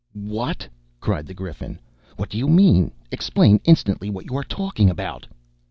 "What!" cried the Griffin. "What do you mean? Explain instantly what you are talking about!"